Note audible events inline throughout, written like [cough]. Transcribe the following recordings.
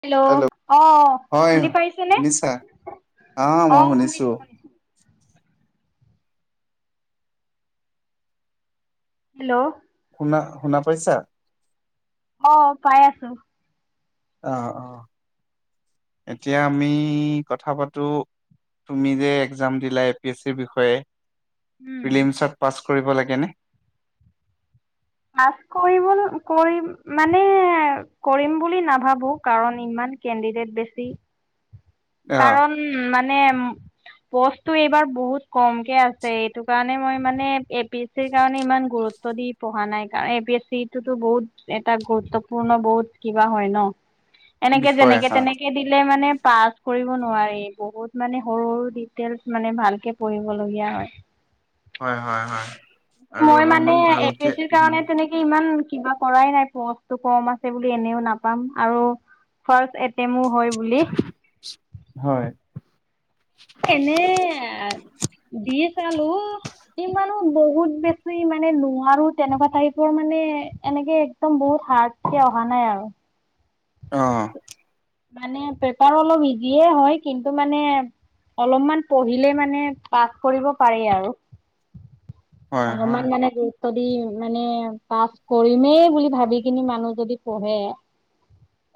Hello অ হয় শুনি পাইছেনে শুনিছা আহ অ মই শুনিছো হেল্ল' শুনা শুনা পইচা অ পাই আছো অ অ এতিয়া আমি কথা পাতো তুমি যে এক্জাম দিলা এ পি এছ চিৰ বিষয়ে উম [unintelligible] পাছ কৰিব লাগে নে মাছ কৰিবল কৰি মানে কৰিম বুলি নাভাবো কাৰণ ইমান কেণ্ডিডেট বেছি অ কাৰণ মানে উম পষ্টটো এইবাৰ বহুত কমকে আছে এইটো কাৰণে মই মানে এপি সেই কাৰণে ইমান গুৰুত্ব দি পঢ়া নাই কাৰণ এ পি এছ চি টোতো বহুত এটা গুৰুত্বপূৰ্ণ বহুত কিবা হয় ন এনেকে বিষয় যেনেকে এটা তেনেকে দিলে মানে পাচ কৰিব নোৱাৰি বহুত মানে সৰুৰু ডিটেইলচ মানে ভালকে পঢ়িবলগীয়া হয় হয় হয় হয় আৰু মই মানে অলপমান এ পি ভালকে এছ চিৰ উম, কাৰণে তেনে বাকি ইমান কিবা কৰাই নাই পচটো কম আছে বুলি এনেও নাপাম আৰু ফাৰ্ষ্ট এটেমো হয় বুলি হয় এনে দি চালো ইমানো বহুত বেছি মানে নোৱাৰো তেনেকুৱা টাইপৰ মানে এনেকে একদম বহুত হাৰ্ড কে অহা নাই আৰু অঁ মানে পেপাৰ অলপ ইজিয়ে হয় কিন্তু মানে অলপমান পঢ়িলে মানে পাছ কৰিব পাৰি আৰু হয় হয় অলপমান মানে গৈ যদি মানে পাছ কৰিমেই বুলি ভাবি কিনি মানুহ যদি পঢ়ে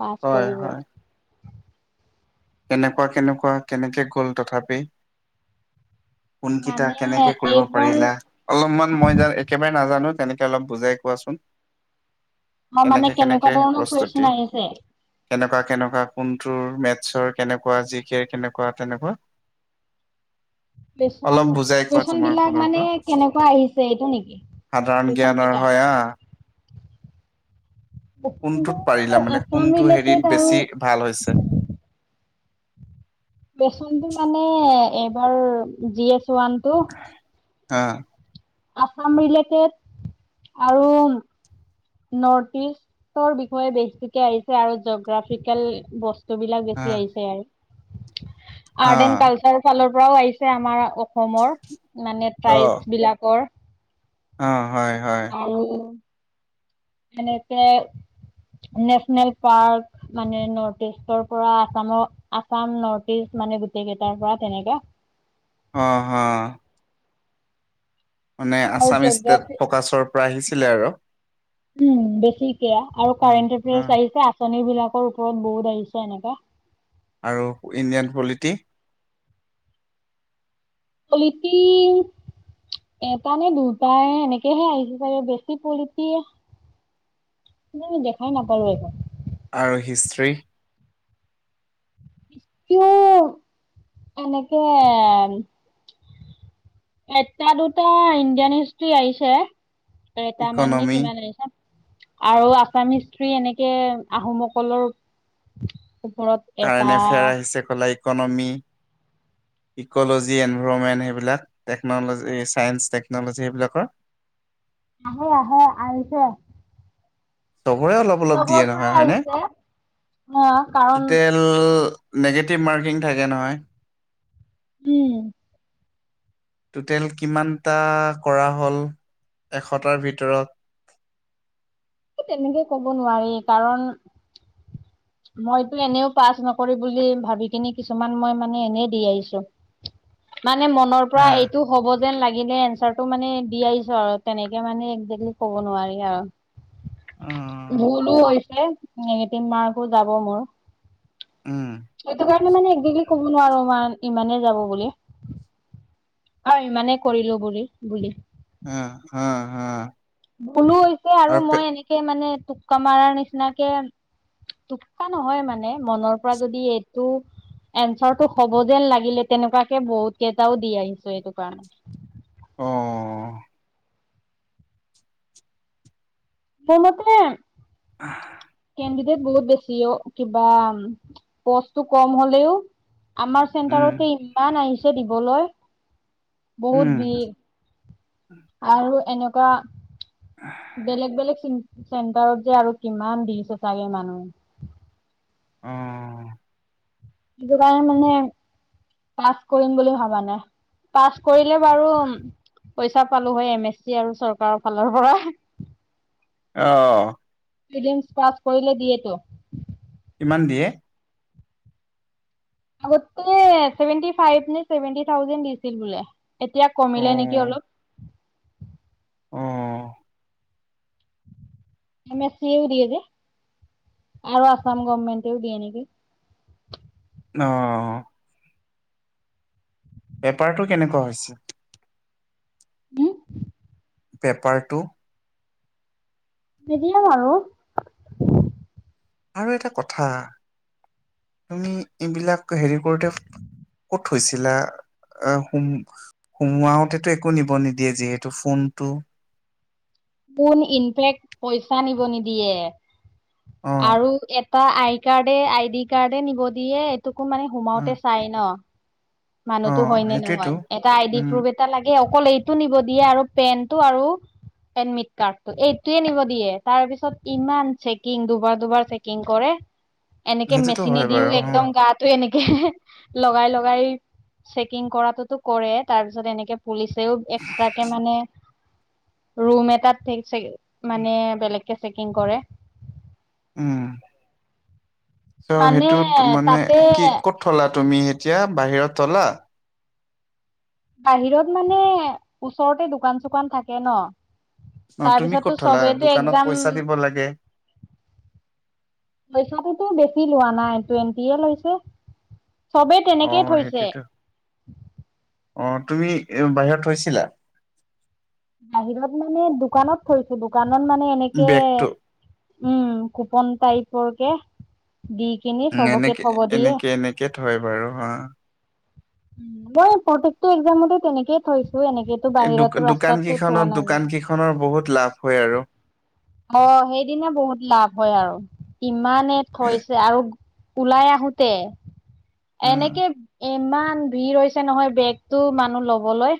পাছ হয় কৰিব হয় কেনেকুৱা কেনেকুৱা কেনেকে গ'ল তথাপি কোনকেইটা মানে কেনেকে কৰিব এইবাৰ পাৰিলা অলপমান মই একেবাৰে নাজানো তেনেকে অলপ বুজাই কোৱাচোন মই মানে কেনেকে কেনেকুৱা কেনেকে ধৰণৰ প্ৰস্তুতি কুৱেশন আহিছে কেনেকুৱা কেনেকুৱা কোনটোৰ মেথছৰ কেনেকুৱা জি কেৰ কেনেকুৱা তেনেকুৱা কুৱেশন অলপ বুজাই কোৱা কুৱেশন তোমাৰ বিলাক ফালৰ পৰা মানে কেনেকুৱা আহিছে এইটো নেকি সাধাৰণ কুৱেশন জ্ঞানৰ পেটাৰ্ণ হয় অ কুৱেশনটো কোনটোত পাৰিলা মানে আছাম কোনটো ৰিলেটেড হেৰিত আৰু বেছি ভাল হৈছে বেচনতটো মানে এইবাৰ জি এচ ওৱান টো অ আছাম ৰিলেটেড আৰু নৰ্থ ইষ্টৰ বিষয়ে বেছিকে আহিছে আৰু জগ্ৰাফিকেল বসু বস্তুবিলাক হা বেছি আহিছে আৰু হা আৰ্ট এণ্ড কালচাৰ ফালৰ পৰাও আহিছে আমাৰ অসমৰ মানে অ ট্ৰাইবছ বিলাকৰ অ হয় হয়। আৰু এনেকে নেচনেল পাৰ্ক মানে নৰ্থ ইষ্টৰ পৰা আসামৰ আসাম নৰ্থ ইষ্ট মানে গোটেই কেইটাৰ পৰা তেনেকে অ হ। মানে আৰু আছাম ষ্টেট জগ্ৰাফি ফ'কাছৰ পৰা আহিছিলে আৰু। উম বেছিকে আৰু কাৰেণ্ট এফেয়াৰ্চ আহিছে আঁচনিবিলাকৰ ওপৰত বহুত আহিছে এনেকা। আৰু ইণ্ডিয়ান পলিটি পলিটি এটা নে দুটাই এনেকেহে আহিছে চাগে বেছি পলিটি মই দেখাই নাপালো এইখন। আৰু হিষ্ট্ৰী। টো এনেকে এটা দুটা ইণ্ডিয়ান হিষ্ট্ৰি আহিছে, এটামান নে ইকনমি কিমান আহিছে? আৰু আছান হিষ্ট্ৰি এনেকে আহোমসকলৰ ওপৰত এটা কাৰেণ্ট এফেয়াৰ আহিছে ক'লা ইকনমি? ইক'ল'জি, এনভাইৰমেণ্ট সেইবিলাক টেকন'লজী এই ছাইন্স টেকন'লজী সেইবিলাকৰ? আহো আহো আহিছে। তভৰে অলপ অলপ চবৰ দিয়ে পৰাই নহয় হয়নে? আহিছে অ কাৰণ টোটেল টো নেগেটিভ মাৰ্কিং থাকে নহয়? উম। টোটেল কিমানটা কৰা হ'ল এশটাৰ ভিতৰত? এ তেনেকে ক'ব নোৱাৰি কাৰণ মইতো এনেও পাছ নকৰি বুলি ভাবি কিনি কিছুমান মই মানে এনে দি আহিছো। মানে মনৰ পৰা হা এইটো হ'ব যেন লাগিলে এনচাৰটো মানে দি আহিছো আৰু তেনেকে মানে একজেক্টলি ক'ব নোৱাৰি অ আৰু। ভুলো হৈছে, নেগেটিভ মাৰ্কো যাব মোৰ। উম। সেইটো কাৰণে মানে একজেক্টলি কব নোৱাৰো ইমান ইমানেই যাব বুলি। হয় ইমানেই কৰিলো বুলি বুলি। উম হু হু। ভুলো হৈছে আৰু মই এনেকে মানে টোককা মাৰাৰ নিচিনাকে টোককা নহয় মানে মনৰ পৰা যদি এইটো এনঞ্চাৰটো হব যেন লাগিলে তেনেকুৱাকে বহুত কেইটাও দি আহিছো এইটো কাৰণে। অহ। বলতে আহ [unintelligible] বহুত বেছি অ, কিবা পষ্টটো কম হলেও আমাৰ উম চেণ্টাৰতে ইমান আহিছে দিবলৈ, উম বহুত ভিৰ। আৰু এনেকুৱা, বেলেগ - বেলেগ চিন চেণ্টাৰত যে আৰু কিমান দিছে ছাগে মানুহ? অ। সেইটো কাৰণে মানে পাছ কৰিম বুলি ভাবা নাই। পাছ কৰিলে বাৰু, পইচা পালো হয় এম এছ চি আৰু চৰকাৰৰ ফালৰ পৰা। অ। প্ৰিলিমছ পাছ কৰিলে দিয়েতো। ইমান দিয়ে আগতেই চেভেনটি ফাইভ নে চেভেনটি থাউজেণ্ড দিছিল বোলে এতিয়া অ কমিলে নেকি অলপ। অ এ এ দিয়ে যে আৰু আসাম গমেন্টও দিয়ে নেকি। অহ এপাৰটো কেনেকুৱা হৈছে। [unintelligible] পেপাৰটো মেদিয়াম আৰু আৰু এটা কথা তুমি এইবিলাক হেৰি কৰোতে ক'ত হৈছিলা আহ হোম সোমোৱাওঁ তেতো একো নিব নিদিয়ে যিহেতু ফোনটো কোন ইনফেক্ট পইচা নিব নিদিয়ে অ আৰু তাৰ আই কাৰ্ডে আই ডি কাৰ্ডে নিব দিয়ে এইটোকো মানে অ সোমাওতে চাই ন অ মানুহতো হয় নে সেইটোৱেতো নহয় এটা আই ডি উম প্ৰুফে এটা লাগে অকল এইটো নিব দিয়ে আৰু পেনটো আৰু এডমিট কাৰ্ডটো এইটোয়ে নিব দিয়ে তাৰ পিছত ইমান চেকিং দুবাৰ দুবাৰ চেকিং কৰে। এনেকে সেইটোতো হয় মেচিনেদিও বাৰু অ একদম গাটো এনেকে লগাই লগাই চেকিং কৰাটোতো কৰে তাৰ পিছত এনেকে পুলিচেও এক্সট্ৰাকে মানে। ৰুম এটাত মানে বেলেগকে চেকিং কৰে। উম চ মানে সেইটোত মানে তাতে কি কত থলা তুমি এতিয়া বাহিৰত থলা বাহিৰত মানে ওচৰতে দোকান চোকান থাকে ন অ তুমি ক'ত তাৰপিছটো থলা চবেইতো দোকানত একজাম পইচা দিব লাগে পইচাটোতো বেছি লোৱা নাই টুৱেণ্টি হে লৈছে। চবেই অ তেনেকেই থৈছে সেইটোতো অ তুমি বাহিৰত থৈছিলা। বাহিৰত মানে দোকানত থৈছো দোকানত মানে এনেকে বেগটো উম কুপন টাইপৰকে দি কিনি চবকে থব দিয়ে। কেত হয় বাৰু হা মই প্ৰত্যেকটো একজামতে তেনেকেই থৈছো এনেকো বাহিৰতো ৰাস্তাতো থোৱা নাই মই। নৰ বহুত লাভ হয় আৰু অ সেইদিনা বহুত লাভ হয় আৰু কিমানে থৈছে আৰু ওলাই আহোতে উম এনেকে ইমান ভিৰ হৈছে নহয় বেগতটো মানুহ লবলৈ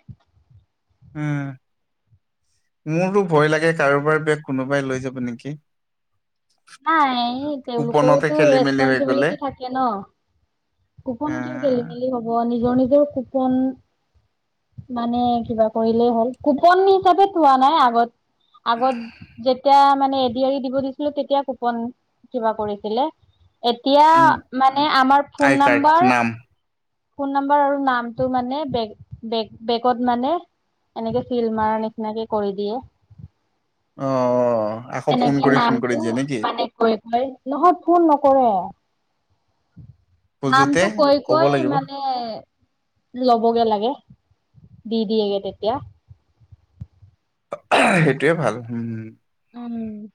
উম মোৰতো ভয় লাগে কাৰোবাৰ বেগ কোনোবাই লৈ যাব নেকি নাই কুপনতে তেওঁলোকৰোতো খেলি মেলি হৈ গ'লে ৰেচপনচিবিলিটি থাকে ন এ কুপন ক খেলি মেলি হ'ব নিজৰ নিজৰ কুপন মানে কিবা কৰিলেই হ'ল কোপন হিচাপে থোৱা নাই আগত আগত যেতিয়া মানে এদি এৰি দিব দিছিলো তেতিয়া কুপন কিবা কৰিছিলে। এতিয়া উম মানে আমাৰ ফোন আই কাৰ্ড নম্বৰ নাম ফোন নাম্বাৰ আৰু নামটো মানে বে বে বেগত মানে এনেকে ফিল্ড মাৰ নিচিনাকে কৰি দিয়ে। অ আকৌ ফোন তেনেকে কৰি ফোন নামটো কৰি দিয়ে নেকি। মানে নহয় ফোন নকৰে খোজোতে নামটো ক'ব কৈ-কৈ লাগিব মানে ল'বগে লাগে দি দিয়েগে তেতিয়া। সেইটোয়ে ভাল হম। উম।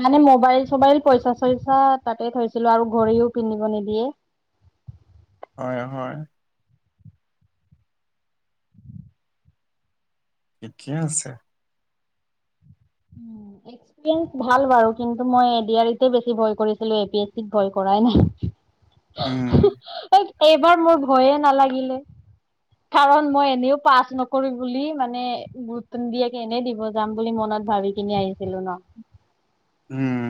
মানে মোবাইল চবাইল পইচা চইচা তাতে থৈছিলো আৰু ঘৰিও পিন্ধিব নিদিয়ে। হয়- হয়। একে আছে। উম এক [unintelligible] ভাল বাৰু কিন্তু মই এ দি আৰ ই তে বেছি ভয় কৰিছিলোঁ এ পি এছ ইক ভয় কৰাই নাই। উম এইবাৰ মোৰ ভয়ে নালাগিলে। কাৰণ মই এনেও পাছ নকৰি বুলি মানে। গুৰুত্ব নিদিয়াকে এনেই দিব যাম বুলি মনত ভাবি কিনি আহিছিলো ন। উম।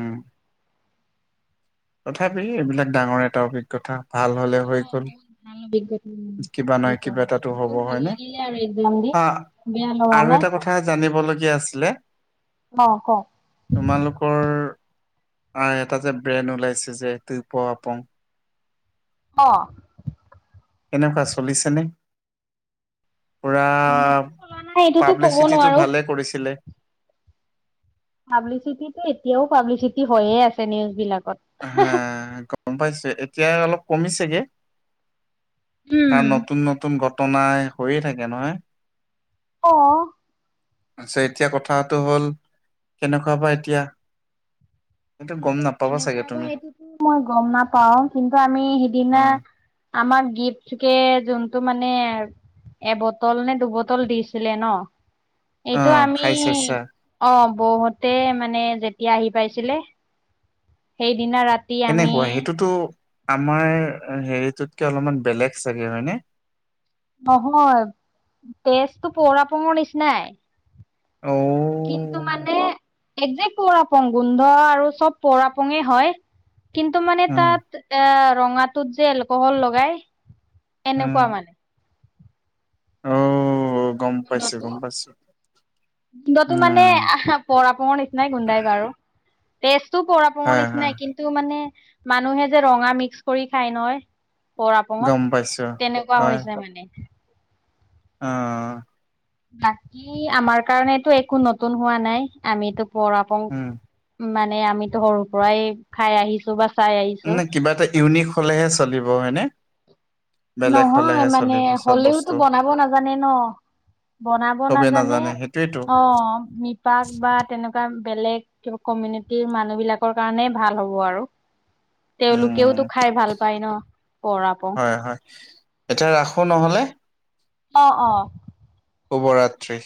তথাপি এইবিলাক ডাঙৰ এটা অভিজ্ঞথা ভাল হলে হৈ গল। কিবা নহয় কিবা এটাতো হ'ব বহুত ভাল হয়নে লাগিলে আৰু এক্সাম দি হা বেয়া লগা আৰু নাই এটা কথা জানিবলগীয়া আছিলে। অ', কওক। তোমালোকৰ আ এটা যে ব্ৰেন ওলাইছে যে টি প আপং। অ'। এনেকুৱা চলিছেনে? পুৰা নাই এইটোতো ক'ব পাব্লিচিটিটো নোৱাৰো ভালে কৰিছিলে। পাব্লিচিটিটো এতিয়াও পাব্লিচিটি হয়ে আছে নিউজ বিলাকত। হা গম পাইছো এতিয়া অলপ কমিছেগে। কাৰণ উম। নতুন নতুন ঘটনাই হৈয়ে থাকে নহয়। অ'। অতচা এতিয়া কথাটো হ'ল কেনেকুৱা বা এতিয়া। [inaudible] সেইটো গম নাপাবা চাগে। তুমি এইটোতো মই গম নাপাও কিন্তু আমি অ সিদিনা। আমাৰ গিফ্ট কে যোনটো মানে। এবটল নে দুবটল দিছিলে ন। অ এইটো আমি খাই চাইছা অ', বও হতে মানে যেতিয়া আহি পাইছিলে। সেইদিনা ৰাত কেনেকুৱা সেইটোতো আমাৰ হেৰিটোতকে অলপমান বেলেগ চাগে হয়নে? নহয় টেষ্টটো পৰ আপুংৰ নিচিনাই। অ'। কিন্তু মানে একজেক্ট পৰ আপং গোন্ধ আৰু চব পৰ আপঙে হয়। কিন্তু মানে অ তাত এ ৰঙাটোত যে এলকহল লগাই উম এনেকুৱা মানে। অ', গম পাইছো গম পাইছো। গোন্ধটো মানে উম আহ পৰ আপঙৰ নিচিনাই গোন্ধাই বাৰু। টেষ্টটোও পৰ আপঙৰ হয় হয় নিচিনাই কিন্তু মানে মানুহে যে ৰঙা মিক্স কৰি খায় নহয়। পৰ গম আপঙত পাইছো তেনেকুৱা হয় হৈছে মানে। অ'। বাকী আমাৰ কাৰনেটো একো নতুন হোৱা নাই আমিতো পৰ আপং। উম মানে আমিতো সৰুৰ পৰাই খাই আহিছো বা চাই আহিছো ন কিবা এটা ইউনিক হলেহে চলিব হয়নে? বেলেগ নহয় হলেহে মানে চলিব চব হলেওতো বস্তু। বনাব নাজানে ন! বনাব চবে নাজানে সেইটোৱেতো অ। প বা তেনেকুৱা বেলেগ কিবা কমিউনিটিৰ মানুহ বিলাকৰ কাৰণে ভাল হ'ব আৰু। উম তেওঁলোকেওতো খাই ভাল পায় ন পৰাপ। হয় হয়। এতিয়া ৰাখোঁ নহ'লে? অ অ। শুভৰাত্ৰি।